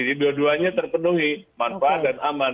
jadi dua duanya terpenuhi manfaat dan aman